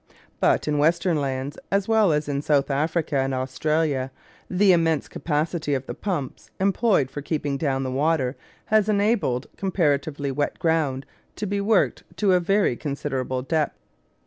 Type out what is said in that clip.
But in Western lands, as well as in South Africa and Australia, the immense capacity of the pumps employed for keeping down the water has enabled comparatively wet ground to be worked to a very considerable depth.